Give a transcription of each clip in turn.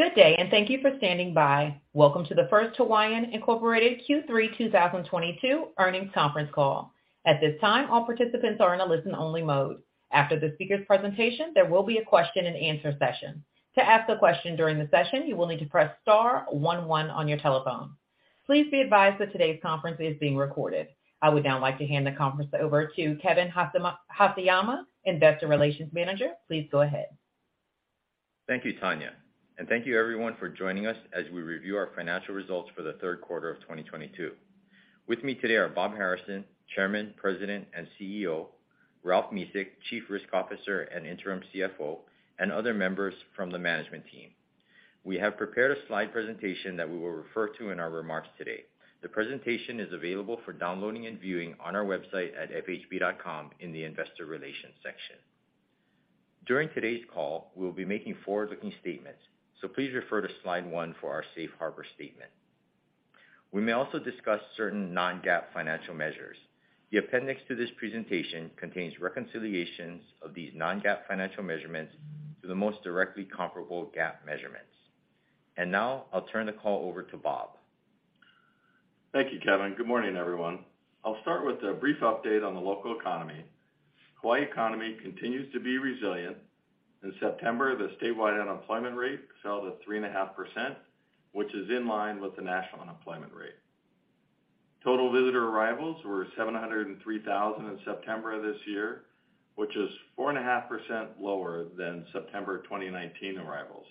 Good day, and thank you for standing by. Welcome to the First Hawaiian, Inc. Q3 2022 earnings conference call. At this time, all participants are in a listen-only mode. After the speaker's presentation, there will be a question-and-answer session. To ask a question during the session, you will need to press star one one on your telephone. Please be advised that today's conference is being recorded. I would now like to hand the conference over to Kevin Haseyama, Investor Relations Manager. Please go ahead. Thank you, Tanya, and thank you everyone for joining us as we review our financial results for the third quarter of 2022. With me today are Bob Harrison, Chairman, President, and CEO, Ralph Mesick, Chief Risk Officer and Interim CFO, and other members from the management team. We have prepared a slide presentation that we will refer to in our remarks today. The presentation is available for downloading and viewing on our website at fhb.com in the Investor Relations section. During today's call, we will be making forward-looking statements, so please refer to slide one for our Safe Harbor statement. We may also discuss certain non-GAAP financial measures. The appendix to this presentation contains reconciliations of these non-GAAP financial measurements to the most directly comparable GAAP measurements. Now, I'll turn the call over to Bob. Thank you, Kevin. Good morning, everyone. I'll start with a brief update on the local economy. Hawaii economy continues to be resilient. In September, the statewide unemployment rate fell to 3.5%, which is in line with the national unemployment rate. Total visitor arrivals were 703,000 in September of this year, which is 4.5% lower than September 2019 arrivals.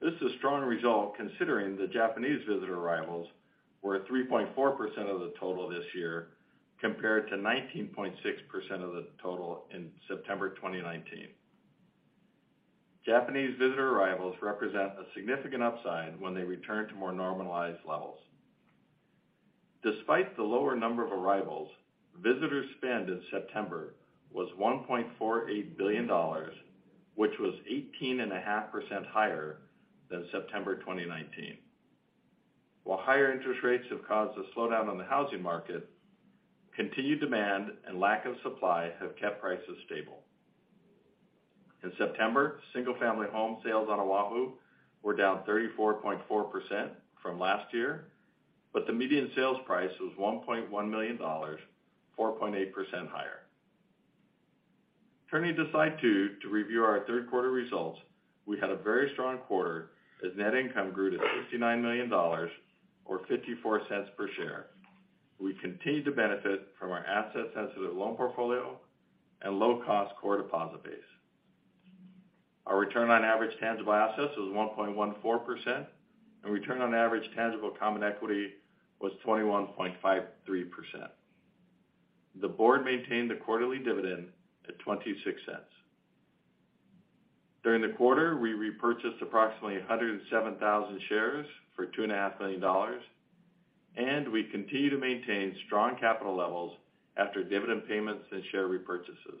This is a strong result considering the Japanese visitor arrivals were at 3.4% of the total this year, compared to 19.6% of the total in September 2019. Japanese visitor arrivals represent a significant upside when they return to more normalized levels. Despite the lower number of arrivals, visitor spend in September was $1.48 billion, which was 18.5% higher than September 2019. While higher interest rates have caused a slowdown in the housing market, continued demand and lack of supply have kept prices stable. In September, single-family home sales on Oahu were down 34.4% from last year, but the median sales price was $1.1 million, 4.8% higher. Turning to slide two to review our third quarter results, we had a very strong quarter as net income grew to $69 million or $0.54 per share. We continued to benefit from our asset-sensitive loan portfolio and low-cost core deposit base. Our return on average tangible assets was 1.14%, and return on average tangible common equity was 21.53%. The board maintained the quarterly dividend at $0.26. During the quarter, we repurchased approximately 107,000 shares for $2.5 million, and we continue to maintain strong capital levels after dividend payments and share repurchases.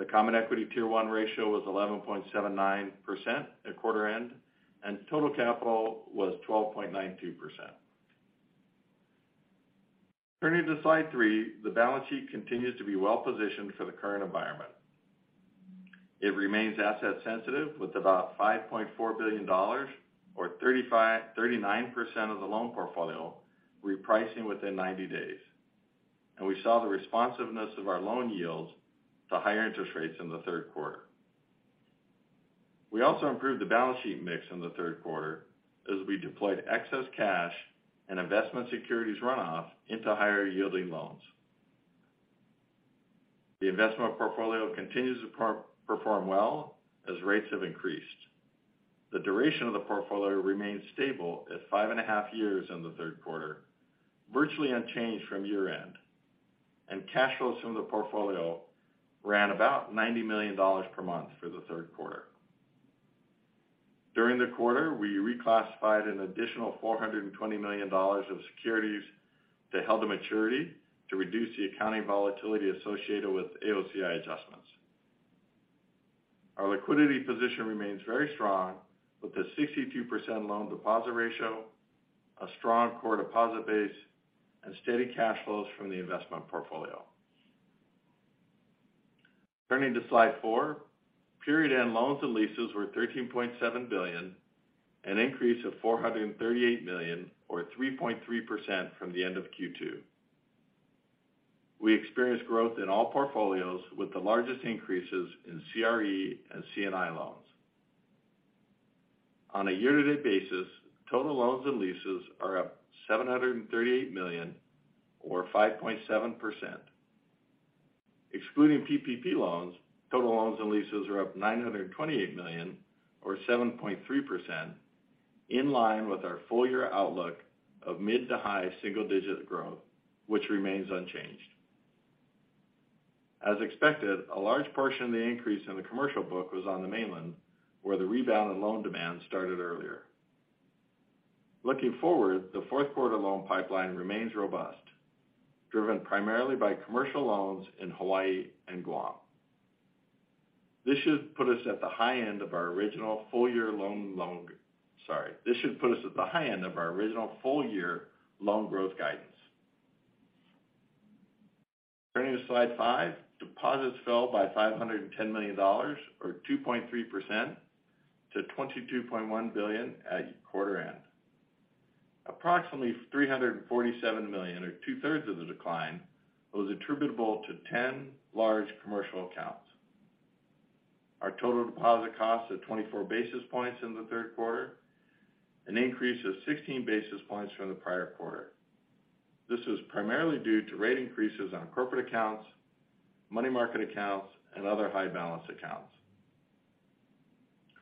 The common equity tier 1 ratio was 11.79% at quarter end, and total capital was 12.92%. Turning to slide three, the balance sheet continues to be well positioned for the current environment. It remains asset sensitive with about $5.4 billion or 39% of the loan portfolio repricing within 90 days, and we saw the responsiveness of our loan yields to higher interest rates in the third quarter. We also improved the balance sheet mix in the third quarter as we deployed excess cash and investment securities runoff into higher yielding loans. The investment portfolio continues to perform well as rates have increased. The duration of the portfolio remains stable at five and a half years in the third quarter, virtually unchanged from year-end. Cash flows from the portfolio ran about $90 million per month through the third quarter. During the quarter, we reclassified an additional $420 million of securities to held-to-maturity to reduce the accounting volatility associated with AOCI adjustments. Our liquidity position remains very strong with a 62% loan deposit ratio, a strong core deposit base, and steady cash flows from the investment portfolio. Turning to slide four, period-end loans and leases were $13.7 billion, an increase of $438 million or 3.3% from the end of Q2. We experienced growth in all portfolios with the largest increases in CRE and C&I loans. On a year-to-date basis, total loans and leases are up $738 million or 5.7%. Excluding PPP loans, total loans and leases are up $928 million or 7.3%, in line with our full year outlook of mid to high single digit growth, which remains unchanged. As expected, a large portion of the increase in the commercial book was on the mainland, where the rebound in loan demand started earlier. Looking forward, the fourth quarter loan pipeline remains robust, driven primarily by commercial loans in Hawaii and Guam. This should put us at the high end of our original full year loan growth guidance. Turning to slide five. Deposits fell by $510 million or 2.3% to $22.1 billion at quarter end. Approximately $347 million or 2/3 of the decline was attributable to ten large commercial accounts. Our total deposit costs at 24 basis points in the third quarter, an increase of 16 basis points from the prior quarter. This was primarily due to rate increases on corporate accounts, money market accounts, and other high balance accounts.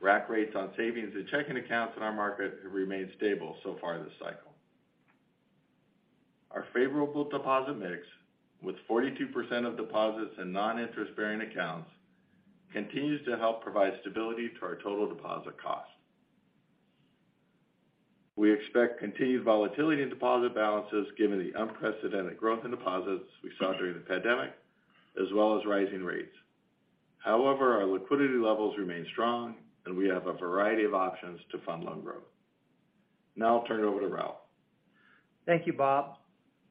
Rack rates on savings and checking accounts in our market have remained stable so far this cycle. Our favorable deposit mix with 42% of deposits in non-interest bearing accounts continues to help provide stability to our total deposit cost. We expect continued volatility in deposit balances given the unprecedented growth in deposits we saw during the pandemic as well as rising rates. However, our liquidity levels remain strong, and we have a variety of options to fund loan growth. Now I'll turn it over to Ralph. Thank you, Bob.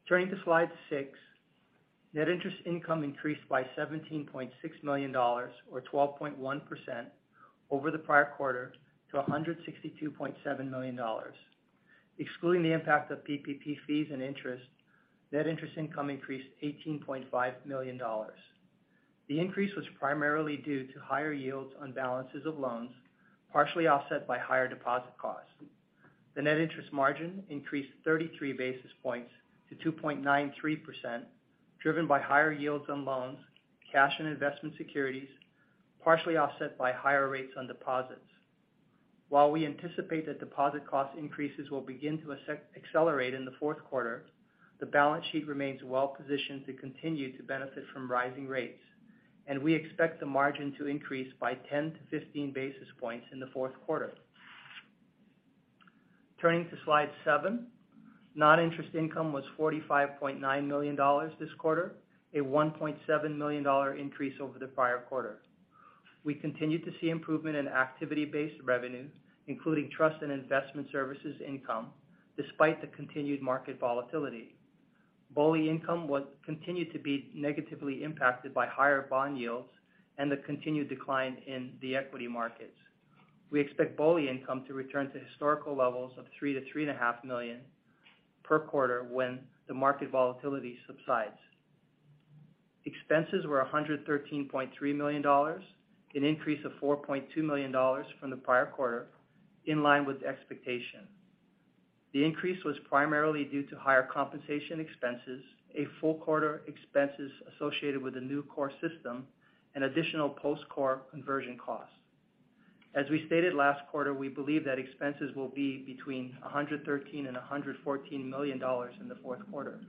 Turning to slide six. Net interest income increased by $17.6 million or 12.1% over the prior quarter to $162.7 million. Excluding the impact of PPP fees and interest, net interest income increased $18.5 million. The increase was primarily due to higher yields on balances of loans, partially offset by higher deposit costs. The net interest margin increased 33 basis points to 2.93%, driven by higher yields on loans, cash and investment securities, partially offset by higher rates on deposits. While we anticipate that deposit cost increases will begin to accelerate in the fourth quarter, the balance sheet remains well positioned to continue to benefit from rising rates, and we expect the margin to increase by 10-15 basis points in the fourth quarter. Turning to slide seven. Non-interest income was $45.9 million this quarter, a $1.7 million increase over the prior quarter. We continued to see improvement in activity-based revenue, including trust and investment services income despite the continued market volatility. BOLI income was continued to be negatively impacted by higher bond yields and the continued decline in the equity markets. We expect BOLI income to return to historical levels of $3 million-$3.5 million per quarter when the market volatility subsides. Expenses were $113.3 million, an increase of $4.2 million from the prior quarter, in line with expectation. The increase was primarily due to higher compensation expenses, a full quarter expenses associated with the new core system and additional post-core conversion costs. As we stated last quarter, we believe that expenses will be between $113 million and $114 million in the fourth quarter.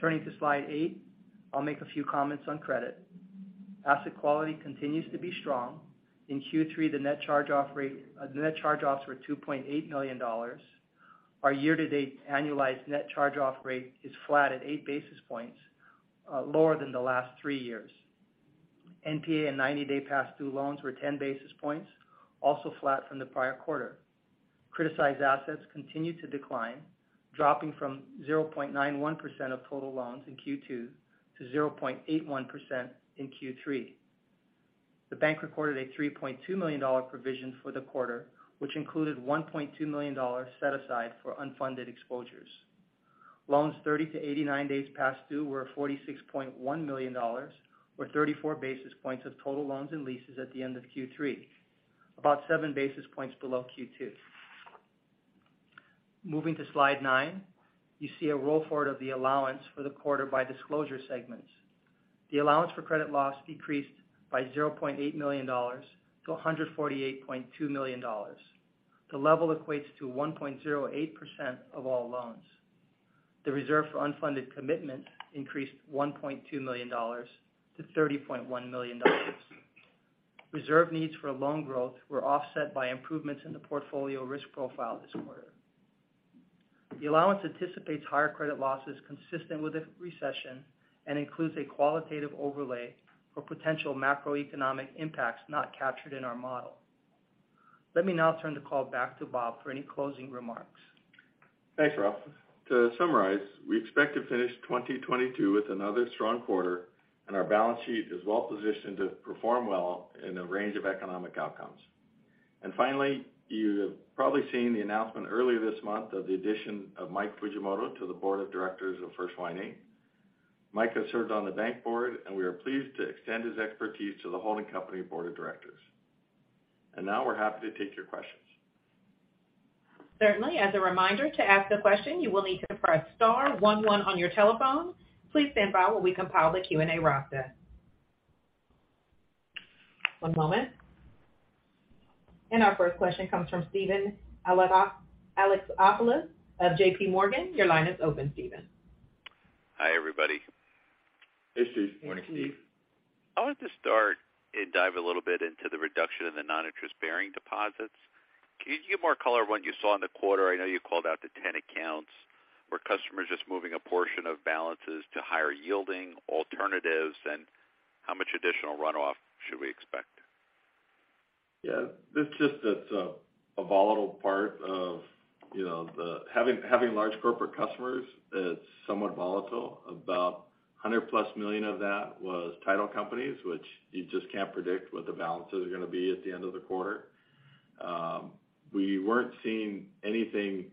Turning to slide eight. I'll make a few comments on credit. Asset quality continues to be strong. In Q3, the net charge offs were $2.8 million. Our year-to-date annualized net charge off rate is flat at 8 basis points, lower than the last three years. NPA and 90-day past due loans were 10 basis points, also flat from the prior quarter. Criticized assets continued to decline, dropping from 0.91% of total loans in Q2 to 0.81% in Q3. The bank recorded a $3.2 million provision for the quarter, which included $1.2 million set aside for unfunded exposures. Loans 30-89 days past due were $46.1 million or 34 basis points of total loans and leases at the end of Q3, about 7 basis points below Q2. Moving to slide nine. You see a roll forward of the allowance for the quarter by disclosure segments. The allowance for credit loss decreased by $0.8 million to $148.2 million. The level equates to 1.08% of all loans. The reserve for unfunded commitment increased $1.2 million to $30.1 million. Reserve needs for loan growth were offset by improvements in the portfolio risk profile this quarter. The allowance anticipates higher credit losses consistent with a recession and includes a qualitative overlay for potential macroeconomic impacts not captured in our model. Let me now turn the call back to Bob for any closing remarks. Thanks, Ralph. To summarize, we expect to finish 2022 with another strong quarter, and our balance sheet is well positioned to perform well in a range of economic outcomes. Finally, you have probably seen the announcement earlier this month of the addition of Michael Fujimoto to the Board of Directors of First Hawaiian, Inc. Mike has served on the bank board, and we are pleased to extend his expertise to the holding company Board of Directors. Now we're happy to take your questions. Certainly. As a reminder to ask the question, you will need to press star one one on your telephone. Please stand by while we compile the Q&A roster. One moment. Our first question comes from Steven Alexopoulos of JPMorgan. Your line is open, Steven. Hi, everybody. Hey, Steve. Morning. Morning, Steven. I wanted to start and dive a little bit into the reduction in the non-interest bearing deposits. Can you give more color what you saw in the quarter? I know you called out the 10 accounts. Were customers just moving a portion of balances to higher yielding alternatives, and how much additional runoff should we expect? It's just a volatile part of, you know, having large corporate customers is somewhat volatile. About $100+ million of that was title companies, which you just can't predict what the balances are going to be at the end of the quarter. We weren't seeing anything.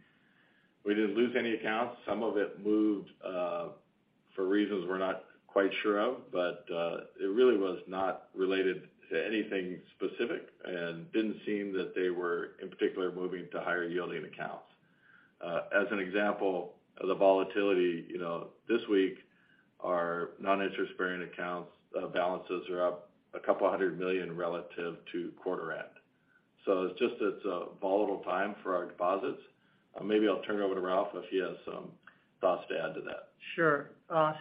We didn't lose any accounts. Some of it moved for reasons we're not quite sure of, but it really was not related to anything specific and didn't seem that they were, in particular, moving to higher-yielding accounts. As an example of the volatility, you know, this week, our non-interest-bearing accounts balances are up $200 million relative to quarter end. It's just a volatile time for our deposits. Maybe I'll turn it over to Ralph if he has some thoughts to add to that. Sure.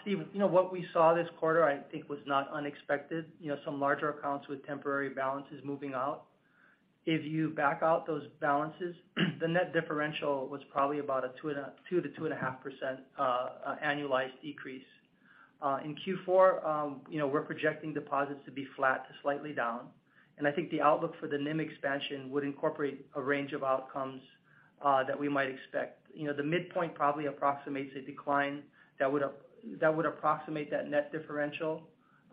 Steve, you know, what we saw this quarter, I think was not unexpected. You know, some larger accounts with temporary balances moving out. If you back out those balances, the net differential was probably about 2%-2.5%, annualized decrease. In Q4, you know, we're projecting deposits to be flat to slightly down. I think the outlook for the NIM expansion would incorporate a range of outcomes that we might expect. You know, the midpoint probably approximates a decline that would approximate that net differential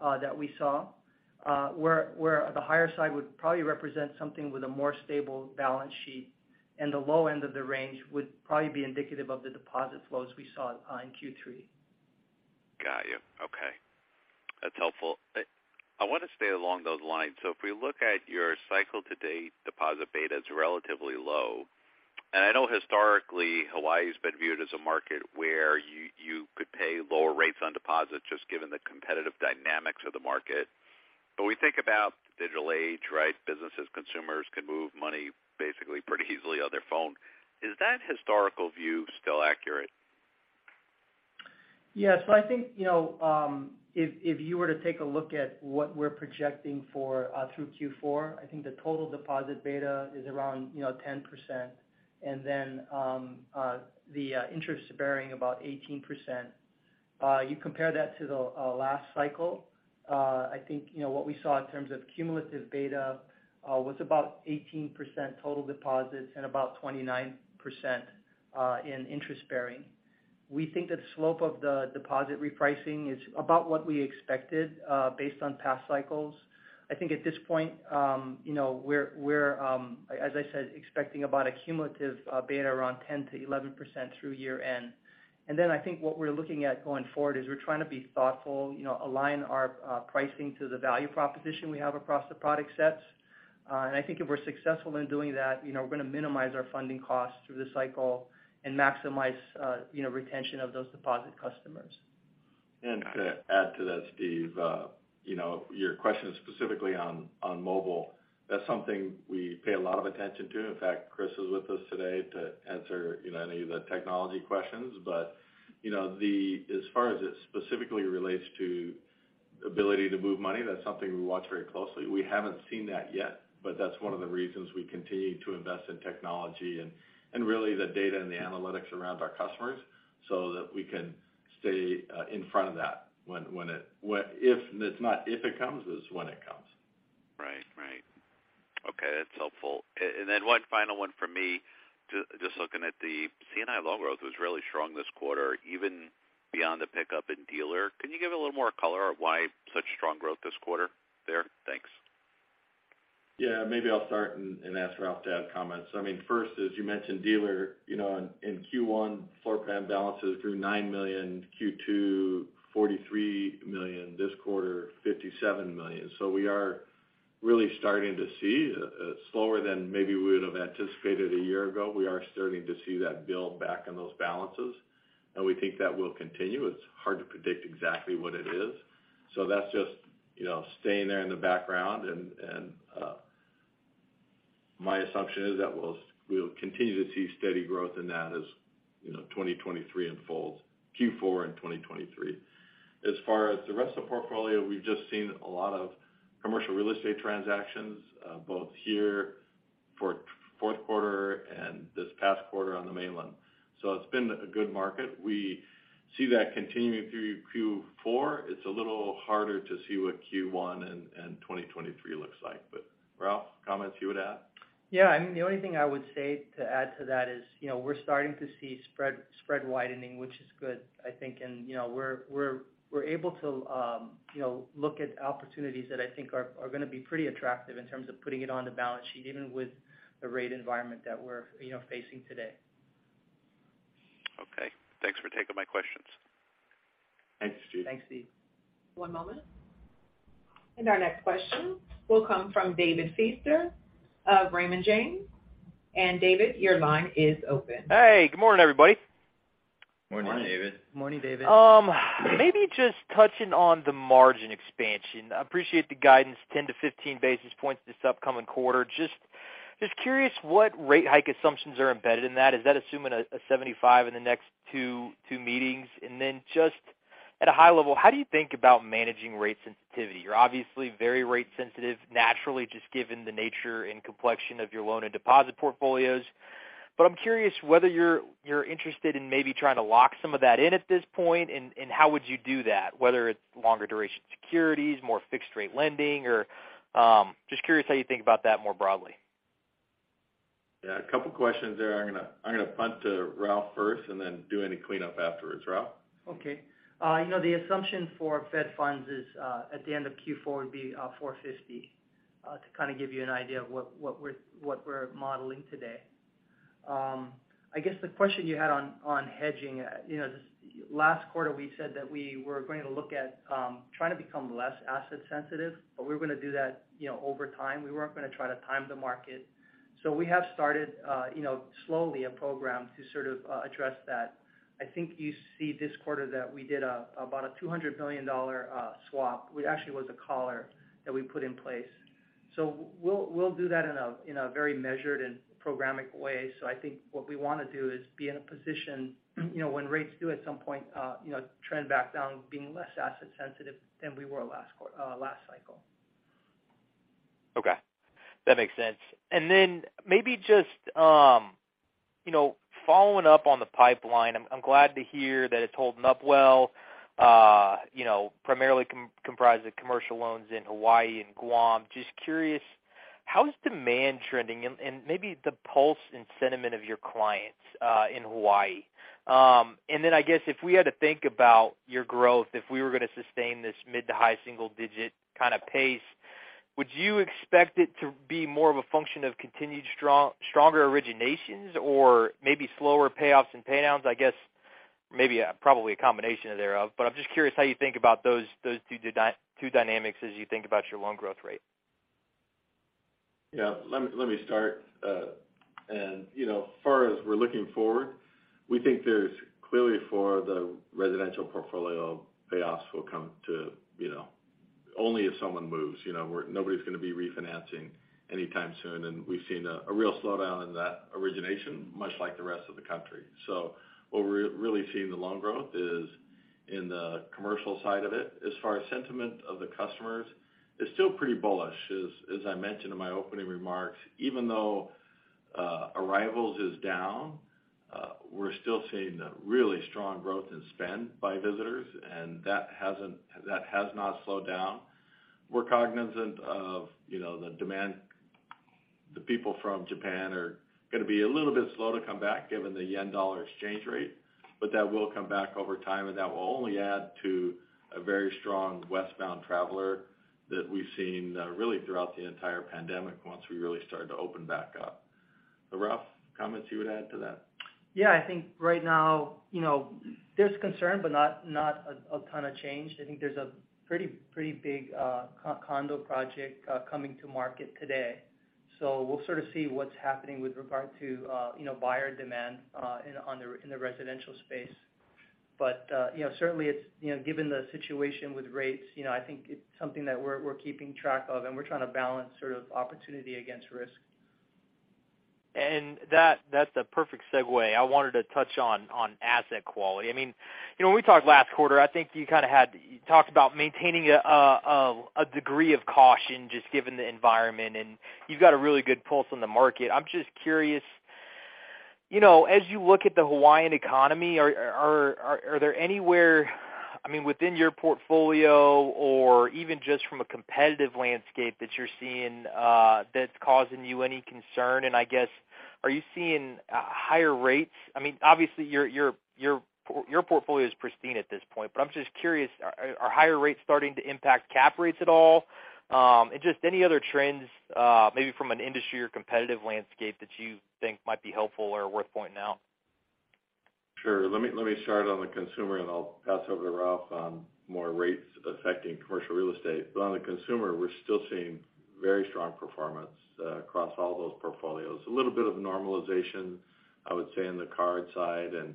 that we saw, where the higher side would probably represent something with a more stable balance sheet, and the low end of the range would probably be indicative of the deposit flows we saw in Q3. Got you. Okay. That's helpful. I want to stay along those lines. If we look at your cycle to date, deposit beta is relatively low. I know historically, Hawaii has been viewed as a market where you could pay lower rates on deposits just given the competitive dynamics of the market. We think about digital age, right? Businesses, consumers can move money basically pretty easily on their phone. Is that historical view still accurate? Yes. I think, you know, if you were to take a look at what we're projecting for through Q4, I think the total deposit beta is around, you know, 10%. Then, the interest bearing about 18%. You compare that to the last cycle, I think, you know, what we saw in terms of cumulative beta was about 18% total deposits and about 29% in interest bearing. We think that the slope of the deposit repricing is about what we expected based on past cycles. I think at this point, you know, we're as I said, expecting about a cumulative beta around 10%-11% through year-end. I think what we're looking at going forward is we're trying to be thoughtful, you know, align our pricing to the value proposition we have across the product sets. I think if we're successful in doing that, you know, we're going to minimize our funding costs through this cycle and maximize retention of those deposit customers. To add to that, Steve, you know, your question is specifically on mobile. That's something we pay a lot of attention to. In fact, Chris is with us today to answer, you know, any of the technology questions. You know, as far as it specifically relates to ability to move money, that's something we watch very closely. We haven't seen that yet, but that's one of the reasons we continue to invest in technology and really the data and the analytics around our customers so that we can stay in front of that when it comes. It's not if it comes, it's when it comes. Right. Okay, that's helpful. One final one for me, just looking at the C&I loan growth was really strong this quarter, even beyond the pickup in dealer. Can you give a little more color on why such strong growth this quarter there? Thanks. Yeah, maybe I'll start and ask Ralph to add comments. I mean, first, as you mentioned, dealer, you know, in Q1, floor plan balances grew $9 million, Q2 $43 million, this quarter $57 million. We are really starting to see slower than maybe we would have anticipated a year ago. We are starting to see that build back in those balances, and we think that will continue. It's hard to predict exactly what it is. That's just, you know, staying there in the background. My assumption is that we'll continue to see steady growth in that as, you know, 2023 unfolds, Q4 in 2023. As far as the rest of the portfolio, we've just seen a lot of commercial real estate transactions both here for fourth quarter and this past quarter on the mainland. It's been a good market. We see that continuing through Q4. It's a little harder to see what Q1 and 2023 looks like. Ralph, comments you would add? Yeah. I mean, the only thing I would say to add to that is, you know, we're starting to see spread widening, which is good, I think. You know, we're able to, you know, look at opportunities that I think are going to be pretty attractive in terms of putting it on the balance sheet, even with the rate environment that we're, you know, facing today. Okay. Thanks for taking my questions. Thanks, Steve. Thanks, Steve. One moment. Our next question will come from David Feaster of Raymond James. David, your line is open. Hey, good morning, everybody. Morning, David. Morning, David. Maybe just touching on the margin expansion. I appreciate the guidance, 10-15 basis points this upcoming quarter. Just curious what rate hike assumptions are embedded in that. Is that assuming a 75 in the next two meetings? Then just at a high level, how do you think about managing rate sensitivity? You're obviously very rate sensitive naturally, just given the nature and complexion of your loan and deposit portfolios. I'm curious whether you're interested in maybe trying to lock some of that in at this point, and how would you do that? Whether it's longer duration securities, more fixed rate lending, or just curious how you think about that more broadly. Yeah. A couple questions there. I'm gonna punt to Ralph first and then do any cleanup afterwards. Ralph? Okay. You know, last quarter we said that we were going to look at trying to become less asset sensitive, but we were gonna do that, you know, over time. We weren't gonna try to time the market. We have started, you know, slowly a program to sort of address that. I think you see this quarter that we did about a $200 million swap. Well, it actually was a collar that we put in place. We'll do that in a very measured and programmatic way. I think what we wanna do is be in a position, you know, when rates do at some point, you know, trend back down being less asset sensitive than we were last cycle. Okay. That makes sense. Then maybe just, you know, following up on the pipeline, I'm glad to hear that it's holding up well, you know, primarily comprised of commercial loans in Hawaii and Guam. Just curious, how is demand trending and maybe the pulse and sentiment of your clients in Hawaii? Then I guess if we had to think about your growth, if we were gonna sustain this mid to high single digit kind of pace, would you expect it to be more of a function of continued stronger originations or maybe slower payoffs and pay downs? I guess maybe probably a combination thereof, but I'm just curious how you think about those two dynamics as you think about your loan growth rate. Yeah. Let me start. You know, as far as we're looking forward, we think there's clearly for the residential portfolio, payoffs will come to, you know, only if someone moves. You know, nobody's gonna be refinancing anytime soon, and we've seen a real slowdown in that origination, much like the rest of the country. Where we're really seeing the loan growth is in the commercial side of it. As far as sentiment of the customers, it's still pretty bullish. As I mentioned in my opening remarks, even though arrivals is down, we're still seeing a really strong growth in spend by visitors, and that has not slowed down. We're cognizant of, you know, the demand. The people from Japan are gonna be a little bit slow to come back given the yen-dollar exchange rate, but that will come back over time, and that will only add to a very strong westbound traveler that we've seen really throughout the entire pandemic once we really started to open back up. Ralph, comments you would add to that? Yeah. I think right now, you know, there's concern, but not a ton of change. I think there's a pretty big condo project coming to market today. We'll sort of see what's happening with regard to, you know, buyer demand in the residential space. You know, certainly it's, you know, given the situation with rates, you know, I think it's something that we're keeping track of and we're trying to balance sort of opportunity against risk. That, that's a perfect segue. I wanted to touch on asset quality. I mean, you know, when we talked last quarter, I think you kind of had you talked about maintaining a degree of caution just given the environment, and you've got a really good pulse on the market. I'm just curious, you know, as you look at the Hawaiian economy, are there anywhere, I mean, within your portfolio or even just from a competitive landscape that you're seeing that's causing you any concern? I guess, are you seeing higher rates? I mean, obviously, your portfolio is pristine at this point, but I'm just curious, are higher rates starting to impact cap rates at all? Just any other trends, maybe from an industry or competitive landscape that you think might be helpful or worth pointing out? Sure. Let me start on the consumer, and I'll pass over to Ralph on more rates affecting commercial real estate. On the consumer, we're still seeing very strong performance across all those portfolios. A little bit of normalization, I would say, in the card side and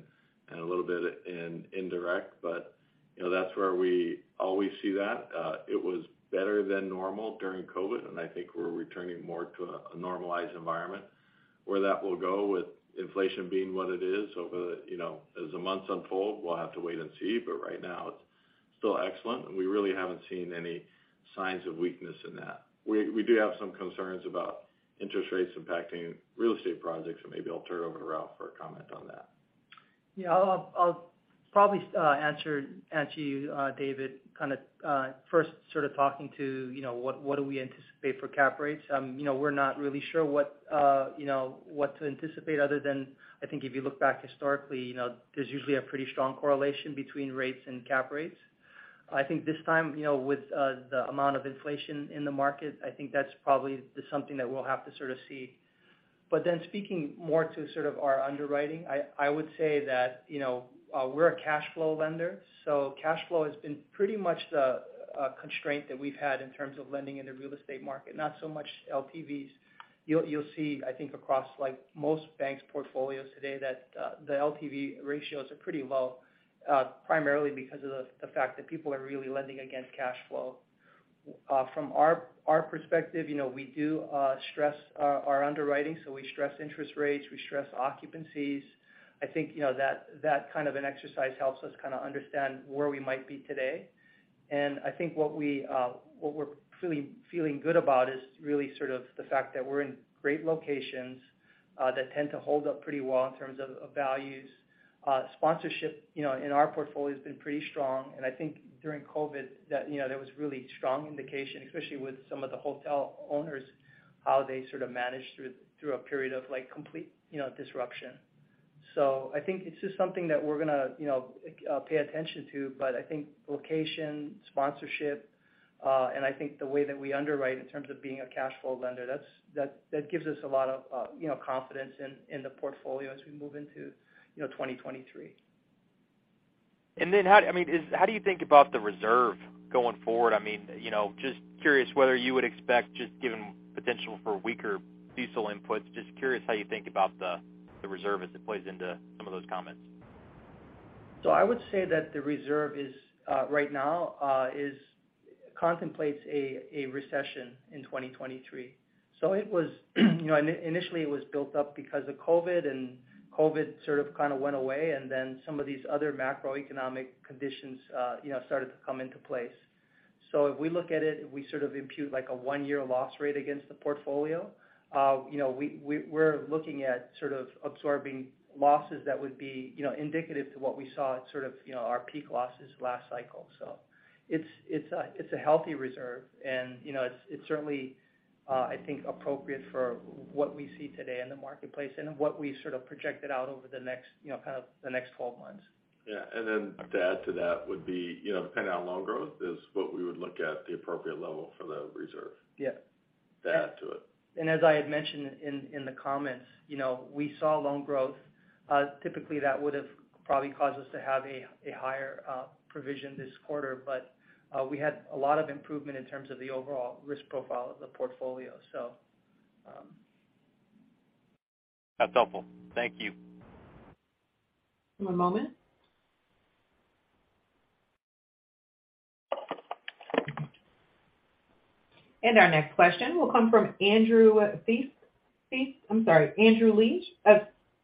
a little bit in indirect. You know, that's where we always see that. It was better than normal during COVID, and I think we're returning more to a normalized environment. Where that will go with inflation being what it is over, you know, as the months unfold, we'll have to wait and see. Right now it's still excellent, and we really haven't seen any signs of weakness in that. We do have some concerns about interest rates impacting real estate projects, so maybe I'll turn it over to Ralph for a comment on that. Yeah. I'll probably answer you, David, kind of first, sort of talking to you know what do we anticipate for cap rates. You know, we're not really sure what to anticipate other than, I think if you look back historically, you know, there's usually a pretty strong correlation between rates and cap rates. I think this time, you know, with the amount of inflation in the market, I think that's probably something that we'll have to sort of see. Speaking more to sort of our underwriting, I would say that, you know, we're a cash flow lender, so cash flow has been pretty much the constraint that we've had in terms of lending in the real estate market, not so much LTVs. You'll see, I think across like most banks' portfolios today that the LTV ratios are pretty low, primarily because of the fact that people are really lending against cash flow. From our perspective, you know, we do stress our underwriting, so we stress interest rates, we stress occupancies. I think, you know, that kind of an exercise helps us kind of understand where we might be today. I think what we're feeling good about is really sort of the fact that we're in great locations that tend to hold up pretty well in terms of values. Sponsorship, you know, in our portfolio has been pretty strong. I think during COVID, you know, there was really strong indication, especially with some of the hotel owners, how they sort of managed through a period of like complete, you know, disruption. I think it's just something that we're gonna, you know, pay attention to. I think location, sponsorship, and I think the way that we underwrite in terms of being a cash flow lender, that gives us a lot of, you know, confidence in the portfolio as we move into, you know, 2023. How do you think about the reserve going forward? I mean, you know, just curious whether you would expect just given potential for weaker CECL inputs. Just curious how you think about the reserve as it plays into some of those comments. I would say that the reserve is, right now, contemplates a recession in 2023. It was you know initially it was built up because of COVID, and COVID sort of kind of went away, and then some of these other macroeconomic conditions you know started to come into place. If we look at it, if we sort of impute like a one-year loss rate against the portfolio, you know, we're looking at sort of absorbing losses that would be you know indicative of what we saw at sort of you know our peak losses last cycle. It's a healthy reserve and, you know, it's certainly appropriate for what we see today in the marketplace and what we sort of projected out over the next, you know, kind of the next 12 months. Yeah. To add to that would be, you know, depending on loan growth is what we would look at the appropriate level for the reserve. Yeah. To add to it. As I had mentioned in the comments, you know, we saw loan growth. Typically that would have probably caused us to have a higher provision this quarter. We had a lot of improvement in terms of the overall risk profile of the portfolio. That's helpful. Thank you. One moment. Our next question will come from Andrew Liesch of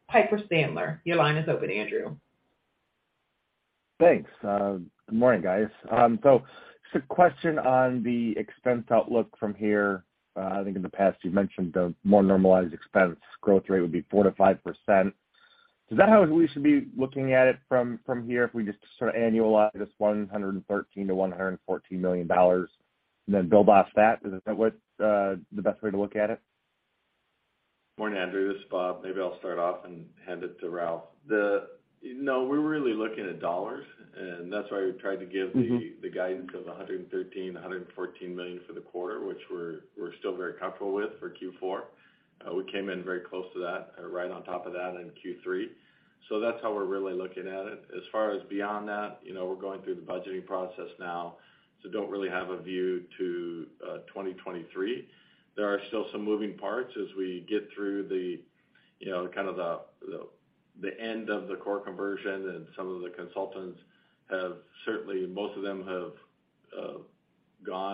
Piper Sandler. Your line is open, Andrew. Thanks. Good morning, guys. Just a question on the expense outlook from here. I think in the past you've mentioned the more normalized expense growth rate would be 4%-5%. Is that how we should be looking at it from here if we just sort of annualize this $113 million-$114 million and then build off that? Is that what the best way to look at it? Morning, Andrew, this is Bob. Maybe I'll start off and hand it to Ralph. No, we're really looking at dollars, and that's why we tried to give the- Mm-hmm. The guidance of $113 million-$114 million for the quarter, which we're still very comfortable with for Q4. We came in very close to that, or right on top of that in Q3. That's how we're really looking at it. As far as beyond that, you know, we're going through the budgeting process now, so don't really have a view to 2023. There are still some moving parts as we get through the, you know, kind of the end of the core conversion and some of the consultants have certainly gone, most of them have,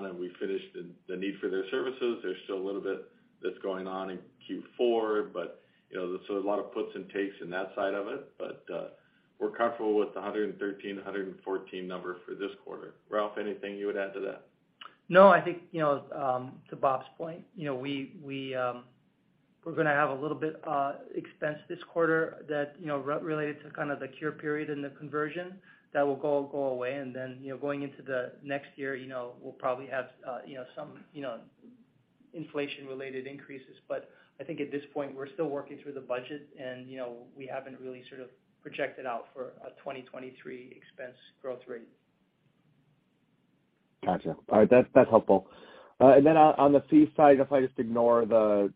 and we finished the need for their services. There's still a little bit that's going on in Q4, but, you know, so there's a lot of puts and takes in that side of it. We're comfortable with the 113-114 number for this quarter. Ralph, anything you would add to that? No, I think, you know, to Bob's point, you know, we're gonna have a little bit expense this quarter that, you know, related to kind of the cure period in the conversion that will go away. You know, going into the next year, you know, we'll probably have, you know, some, you know, inflation-related increases. I think at this point, we're still working through the budget and, you know, we haven't really sort of projected out for a 2023 expense growth rate. Gotcha. All right. That's helpful. On the fee side, if I just ignore the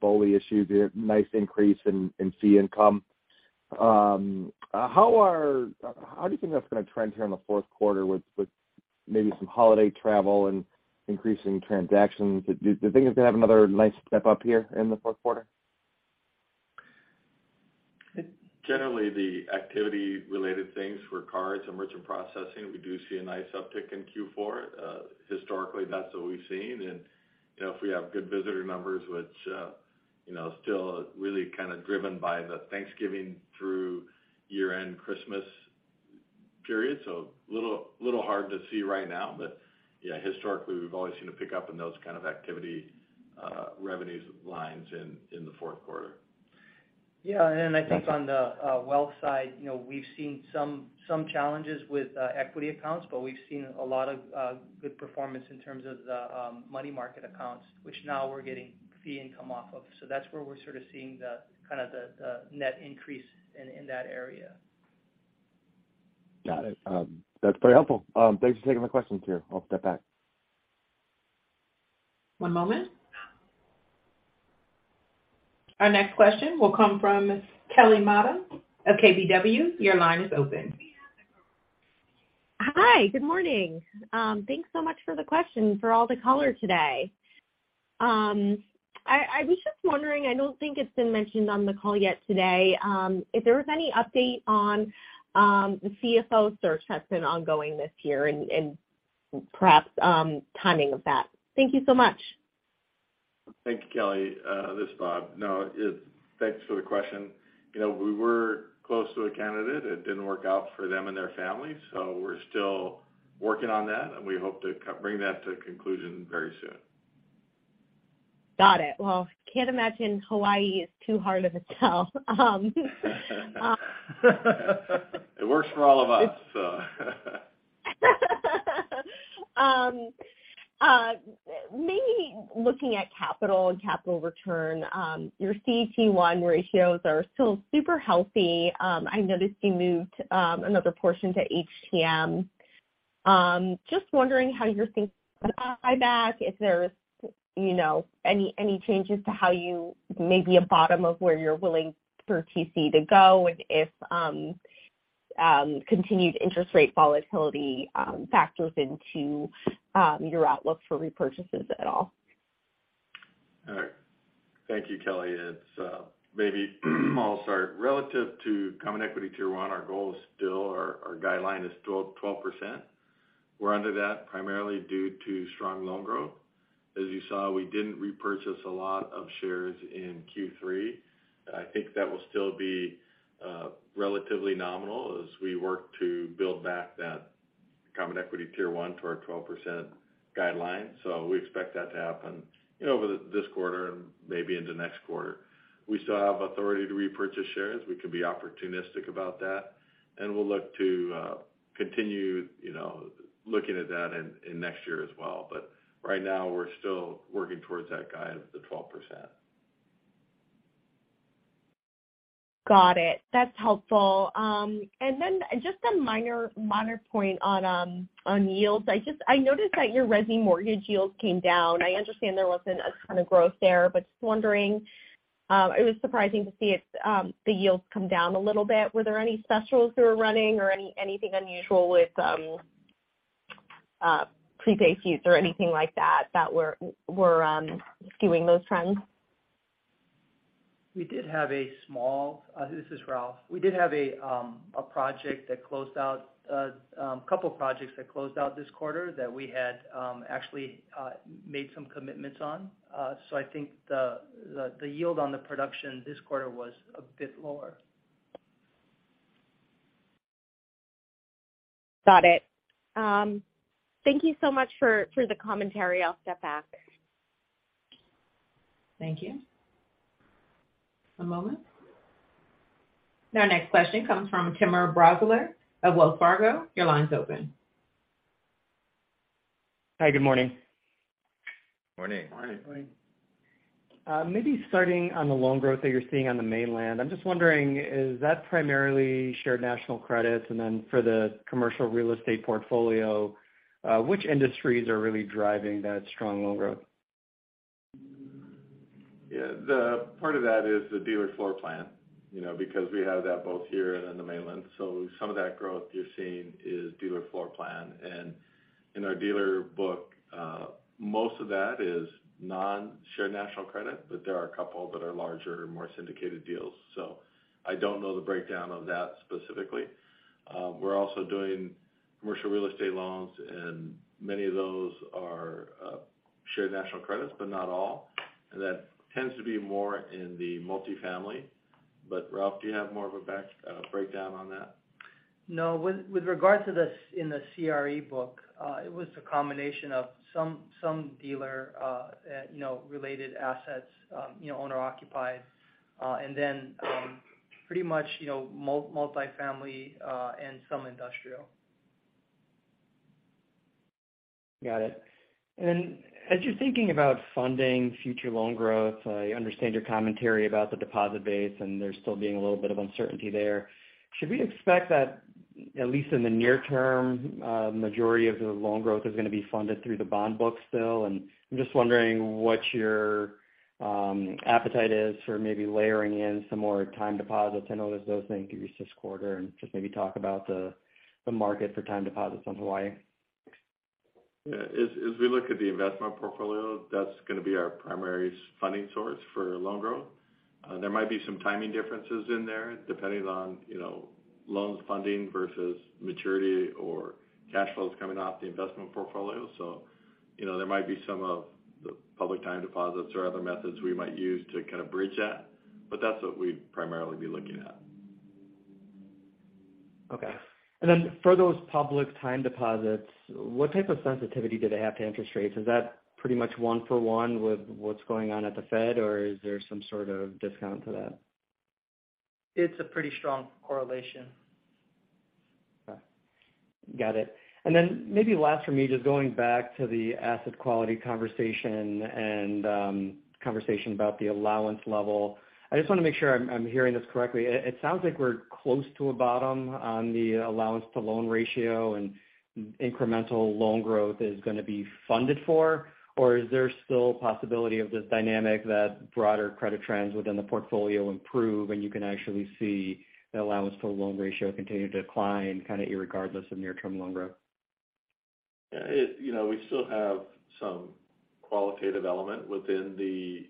BOLI issue, the nice increase in fee income. How do you think that's gonna trend here in the fourth quarter with maybe some holiday travel and increasing transactions? Do you think it's gonna have another nice step up here in the fourth quarter? Generally, the activity-related things for cards and merchant processing, we do see a nice uptick in Q4. Historically, that's what we've seen. You know, if we have good visitor numbers, which, you know, still really kind of driven by the Thanksgiving through year-end Christmas period. A little hard to see right now. Yeah, historically, we've always seen a pickup in those kind of activity revenues lines in the fourth quarter. Yeah. I think on the wealth side, you know, we've seen some challenges with equity accounts, but we've seen a lot of good performance in terms of the money market accounts, which now we're getting fee income off of. That's where we're sort of seeing the kind of the net increase in that area. Got it. That's very helpful. Thanks for taking my questions here. I'll step back. One moment. Our next question will come from Kelly Motta of KBW. Your line is open. Hi. Good morning. Thanks so much for the question, for all the color today. I was just wondering, I don't think it's been mentioned on the call yet today, if there was any update on the CFO search that's been ongoing this year and perhaps timing of that. Thank you so much. Thank you, Kelly. This is Bob. Thanks for the question. You know, we were close to a candidate. It didn't work out for them and their family, so we're still working on that, and we hope to bring that to conclusion very soon. Got it. Well, can't imagine Hawaii is too hard of a sell. It works for all of us. Maybe looking at capital and capital return, your CET1 ratios are still super healthy. I noticed you moved another portion to HTM. Just wondering how you're thinking about buyback, if there's, you know, any changes to maybe a bottom of where you're willing for TCE to go and if continued interest rate volatility factors into your outlook for repurchases at all. All right. Thank you, Kelly. It's maybe I'll start. Relative to common equity tier 1, our goal is still or our guideline is still 12%. We're under that primarily due to strong loan growth. As you saw, we didn't repurchase a lot of shares in Q3. I think that will still be relatively nominal as we work to build back that common equity tier 1 to our 12% guideline. We expect that to happen, you know, over this quarter and maybe into next quarter. We still have authority to repurchase shares. We can be opportunistic about that, and we'll look to continue, you know, looking at that in next year as well. Right now we're still working towards that guide of the 12%. Got it. That's helpful. Just a minor point on yields. I just noticed that your resi mortgage yields came down. I understand there wasn't a ton of growth there, but just wondering, it was surprising to see it, the yields come down a little bit. Were there any specials that were running or anything unusual with prepay fees or anything like that were skewing those trends? This is Ralph. We did have a project that closed out, a couple projects that closed out this quarter that we had actually made some commitments on. I think the yield on the production this quarter was a bit lower. Got it. Thank you so much for the commentary. I'll step back. Thank you. One moment. Our next question comes from Timur Braziler of Wells Fargo. Your line's open. Hi. Good morning. Morning. Morning. Maybe starting on the loan growth that you're seeing on the mainland. I'm just wondering, is that primarily shared national credits? For the commercial real estate portfolio, which industries are really driving that strong loan growth? Yeah. The part of that is the dealer floor plan, you know, because we have that both here and in the mainland. Some of that growth you're seeing is dealer floor plan. In our dealer book, most of that is non-shared national credit, but there are a couple that are larger, more syndicated deals. I don't know the breakdown of that specifically. We're also doing commercial real estate loans, and many of those are shared national credits, but not all. That tends to be more in the multifamily. Ralph, do you have more of a breakdown on that? No. With regard to the CRE book, it was a combination of some dealer related assets, you know, owner-occupied, and then pretty much, you know, multifamily, and some industrial. Got it. As you're thinking about funding future loan growth, I understand your commentary about the deposit base, and there still being a little bit of uncertainty there. Should we expect that at least in the near term, majority of the loan growth is going to be funded through the bond book still? I'm just wondering what your appetite is for maybe layering in some more time deposits. I noticed those increased this quarter and just maybe talk about the market for time deposits in Hawaii. Yeah. As we look at the investment portfolio, that's going to be our primary funding source for loan growth. There might be some timing differences in there depending on, you know, loans funding versus maturity or cash flows coming off the investment portfolio. You know, there might be some of the public time deposits or other methods we might use to kind of bridge that, but that's what we'd primarily be looking at. Okay. For those public time deposits, what type of sensitivity do they have to interest rates? Is that pretty much one for one with what's going on at the Fed, or is there some sort of discount to that? It's a pretty strong correlation. Okay. Got it. Maybe last for me, just going back to the asset quality conversation and conversation about the allowance level. I just want to make sure I'm hearing this correctly. It sounds like we're close to a bottom on the allowance to loan ratio and incremental loan growth is going to be funded for, or is there still possibility of this dynamic that broader credit trends within the portfolio improve and you can actually see the allowance to loan ratio continue to decline kind of regardless of near-term loan growth? Yeah, it, you know, we still have some qualitative element within the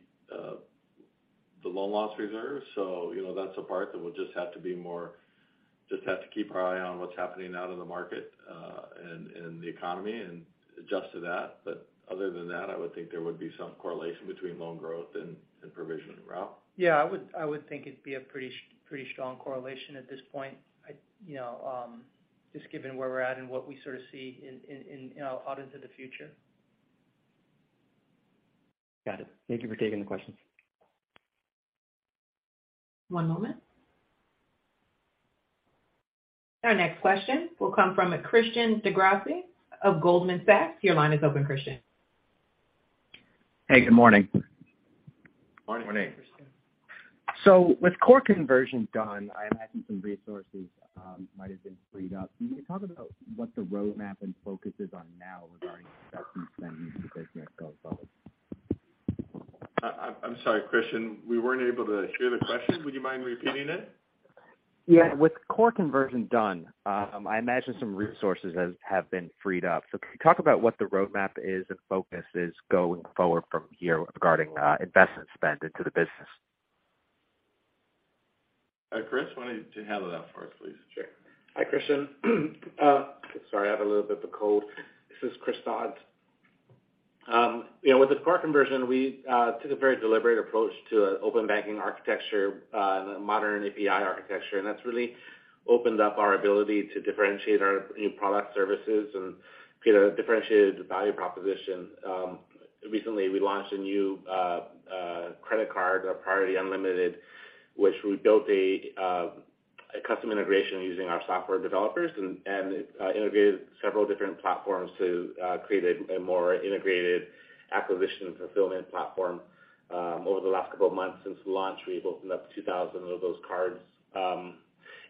loan loss reserve. You know, that's a part that we'll just have to keep our eye on what's happening out in the market, and the economy and adjust to that. Other than that, I would think there would be some correlation between loan growth and provision rate. Yeah, I would think it'd be a pretty strong correlation at this point. You know, just given where we're at and what we sort of see in, you know, out into the future. Got it. Thank you for taking the question. One moment. Our next question will come from Christian DeGrasse of Goldman Sachs. Your line is open, Christian. Hey, good morning. Morning. Morning. With core conversion done, I imagine some resources might have been freed up. Can you talk about what the roadmap and focus is on now regarding investment spending as the business goes forward? I'm sorry, Christian, we weren't able to hear the question. Would you mind repeating it? Yeah. With core conversion done, I imagine some resources have been freed up. So can you talk about what the roadmap is and focus is going forward from here regarding investment spend into the business? Chris, why don't you handle that for us, please? Sure. Hi, Christian. Sorry, I have a little bit of a cold. This is Christopher Dods. You know, with the core conversion, we took a very deliberate approach to open banking architecture, modern API architecture, and that's really opened up our ability to differentiate our new product services and get a differentiated value proposition. Recently, we launched a new credit card, a Priority Unlimited, which we built a custom integration using our software developers and it integrated several different platforms to create a more integrated acquisition fulfillment platform. Over the last couple of months since the launch, we've opened up 2,000 of those cards.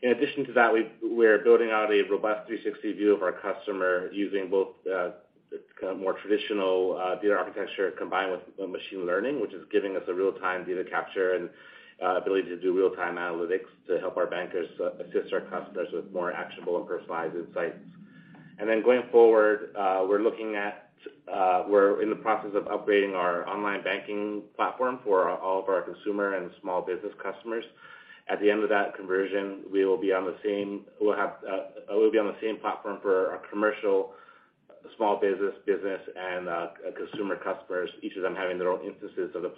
In addition to that, we're building out a robust 360 view of our customer using both, kind of more traditional, data architecture combined with machine learning, which is giving us a real-time data capture and ability to do real-time analytics to help our bankers assist our customers with more actionable and personalized insights. Going forward, we're in the process of upgrading our online banking platform for all of our consumer and small business customers. At the end of that conversion, we will be on the same platform for our commercial small business and consumer customers, each of them having their own instances of the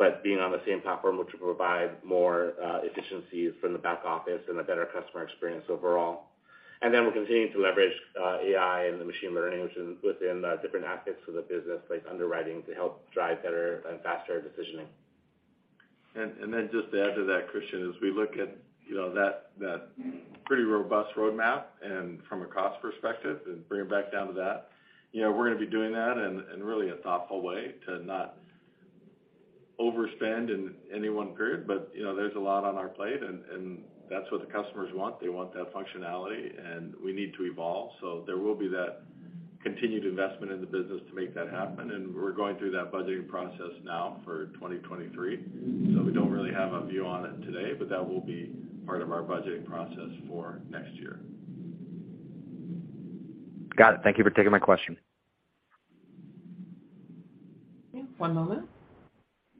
platform, but being on the same platform, which will provide more efficiencies from the back office and a better customer experience overall. We're continuing to leverage AI and the machine learning within different aspects of the business, like underwriting, to help drive better and faster decisioning. Just to add to that, Christian, as we look at, you know, that pretty robust roadmap and from a cost perspective and bring it back down to that, you know, we're gonna be doing that in really a thoughtful way to not overspend in any one period. You know, there's a lot on our plate and that's what the customers want. They want that functionality, and we need to evolve. There will be that continued investment in the business to make that happen. We're going through that budgeting process now for 2023. We don't really have a view on it today, but that will be part of our budgeting process for next year. Got it. Thank you for taking my question. One moment.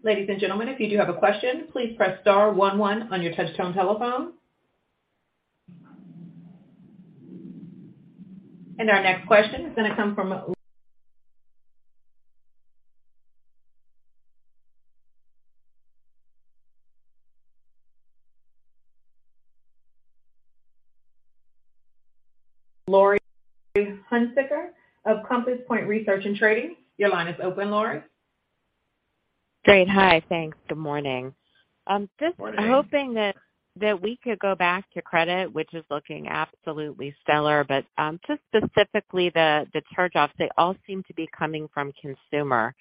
Ladies and gentlemen, if you do have a question, please press star one one on your touchtone telephone. Our next question is gonna come from Laurie Hunsicker of Compass Point Research & Trading. Your line is open, Laurie. Great. Hi. Thanks. Good morning. Good morning. Hoping that we could go back to credit, which is looking absolutely stellar. Just specifically the charge-offs, they all seem to be coming from consumer.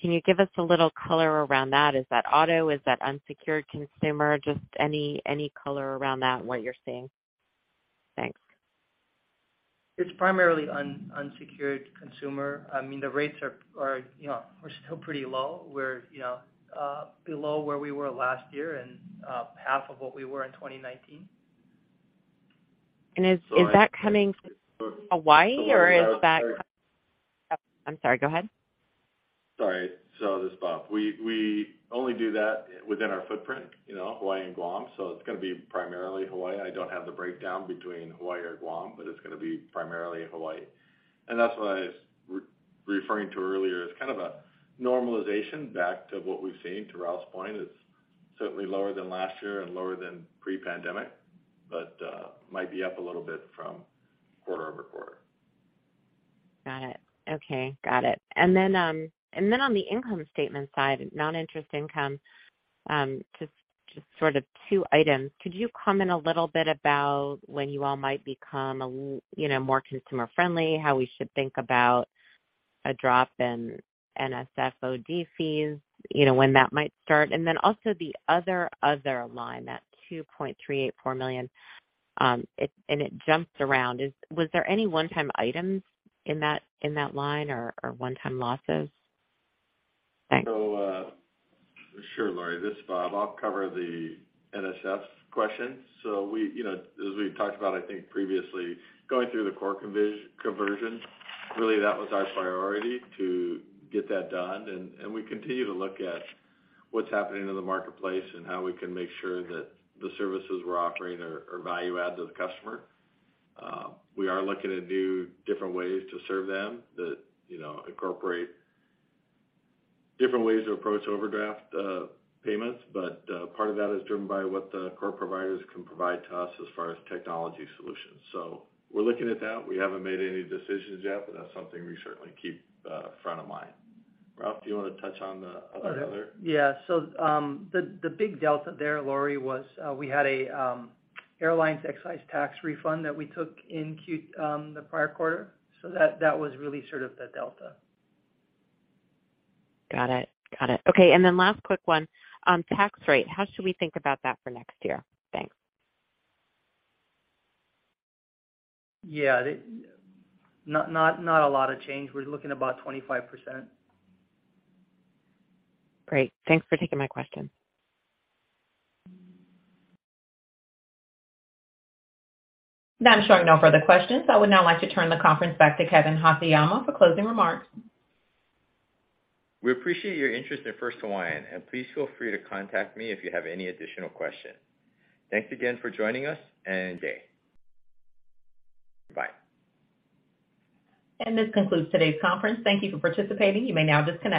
Can you give us a little color around that? Is that auto? Is that unsecured consumer? Just any color around that and what you're seeing. Thanks. It's primarily unsecured consumer. I mean, the rates are, you know, still pretty low. We're, you know, below where we were last year and half of what we were in 2019. Is that coming from Hawaii or is that? I'm sorry, go ahead. Sorry. This is Bob. We only do that within our footprint, you know, Hawaii and Guam, so it's gonna be primarily Hawaii. I don't have the breakdown between Hawaii or Guam, but it's gonna be primarily Hawaii. That's what I was referring to earlier. It's kind of a normalization back to what we've seen, to Ralph's point. It's certainly lower than last year and lower than pre-pandemic, but might be up a little bit from quarter-over-quarter. Got it. Okay. Got it. On the income statement side, non-interest income, just sort of two items. Could you comment a little bit about when you all might become more consumer friendly, how we should think about a drop in NSF OD fees, you know, when that might start? Also the other line, that $2.384 million, and it jumps around. Was there any one-time items in that line or one-time losses? Thanks. Sure, Laurie, this is Bob. I'll cover the NSF question. We, you know, as we've talked about, I think previously, going through the core conversion, really that was our priority to get that done. We continue to look at what's happening in the marketplace and how we can make sure that the services we're offering are value add to the customer. We are looking at new different ways to serve them that, you know, incorporate different ways to approach overdraft payments. Part of that is driven by what the core providers can provide to us as far as technology solutions. We're looking at that. We haven't made any decisions yet, but that's something we certainly keep front of mind. Ralph, do you wanna touch on the other? The big delta there, Laurie, was we had a airlines excise tax refund that we took in the prior quarter. That was really sort of the delta. Got it. Okay. Last quick one. Tax rate, how should we think about that for next year? Thanks. Not a lot of change. We're looking about 25%. Great. Thanks for taking my question. I'm showing no further questions. I would now like to turn the conference back to Kevin Haseyama for closing remarks. We appreciate your interest in First Hawaiian, and please feel free to contact me if you have any additional questions. Thanks again for joining us, and have a nice day. Bye. This concludes today's conference. Thank you for participating. You may now disconnect.